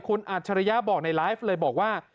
คุณอัจฉริยะบอกในไลฟ์เลยบอกว่า